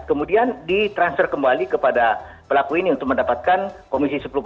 kemudian ditransfer kembali kepada pelaku ini untuk mendapatkan komisi sepuluh